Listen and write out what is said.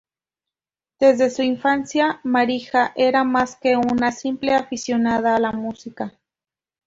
Desde su infancia, Marija era más que una simple aficionada a la música.